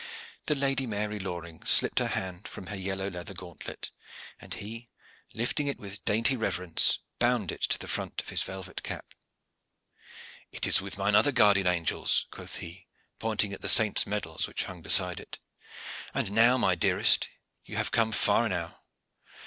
The Lady Mary Loring slipped her hand from her yellow leather gauntlet, and he, lifting it with dainty reverence, bound it to the front of his velvet cap. "It is with mine other guardian angels," quoth he, pointing at the saints' medals which hung beside it. "And now, my dearest, you have come far enow.